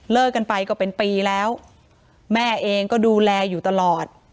กันไปก็เป็นปีแล้วแม่เองก็ดูแลอยู่ตลอด